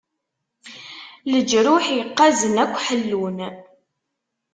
Leǧruḥ iqaẓen akk ḥellun.